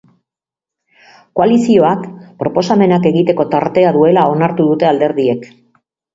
Koalizioak proposamenak egiteko tartea duela onartu dute alderdiek.